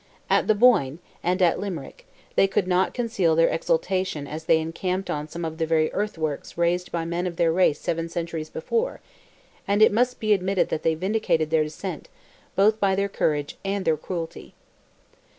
At the Boyne, and at Limerick, they could not conceal their exultation as they encamped on some of the very earthworks raised by men of their race seven centuries before, and it must be admitted they vindicated their descent, both by their courage and their cruelty.